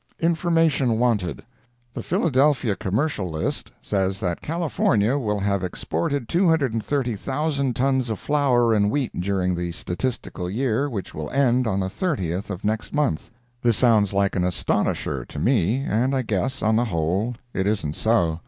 INFORMATION WANTED The Philadelphia Commercial List says that California will have exported 230,000 tons of flour and wheat during the statistical year which will end on the 30th of next month. This sounds like an astonisher to me, and I guess, on the whole, it isn't so.